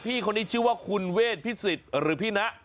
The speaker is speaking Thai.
พี่คนนี้ชื่อว่าขุนเวทพี่สิตหรือพี่นะ